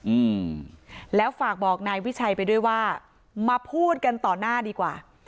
อืมแล้วฝากบอกนายวิชัยไปด้วยว่ามาพูดกันต่อหน้าดีกว่า